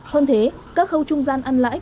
hơn thế các khâu trung gian ăn lại